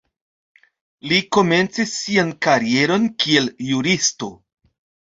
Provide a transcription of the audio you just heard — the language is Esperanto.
Li komencis sian karieron kiel juristo.